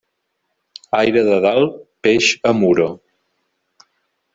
Aire de dalt, peix a Muro.